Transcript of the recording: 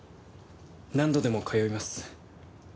何度でも通います。